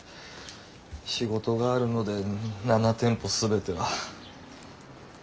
仕事があるので７店舗全ては。